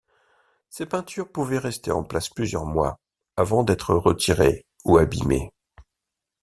Ses peintures pouvaient rester en place plusieurs mois avant d'être retirées ou abimées.